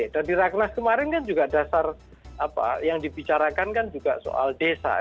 dan di ragnas kemarin kan juga dasar yang dibicarakan kan juga soal desa